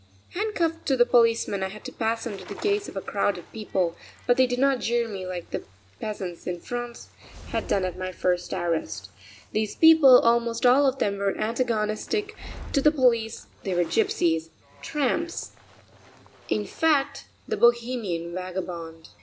Handcuffed to the policeman I had to pass under the gaze of a crowd of people, but they did not jeer me like the peasants in France had done at my first arrest; these people, almost all of them, were antagonistic to the police; they were gypsies, tramps, in fact, the Bohemian vagabond.